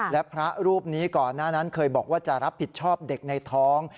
และพระรูปนี้ก่อนหน้านั้นเคยบอกว่าจะรับผิดชอบเด็กในท้อง